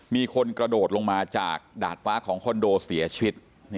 มีคนกระโดดลงมาจากดาดฟ้าของคอนโดเสียชีวิต